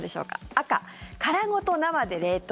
赤、殻ごと生で冷凍。